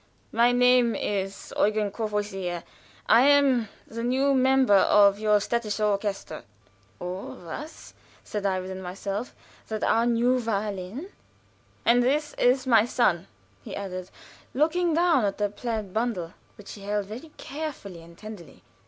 "My name is Eugen Courvoisier. I am the new member of your städtisches Orchester." "O, was!" said I, within myself. "That our new first violin!" "And this is my son," he added, looking down at the plaid bundle, which he held very carefully and tenderly.